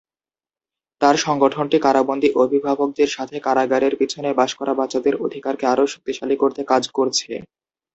তার সংগঠনটি কারাবন্দী অভিভাবকদের সাথে কারাগারের পিছনে বাস করা বাচ্চাদের অধিকারকে আরও শক্তিশালী করতে কাজ করছে।